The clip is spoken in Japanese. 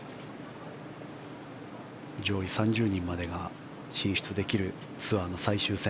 上位３０人までが進出できるツアーの最終戦。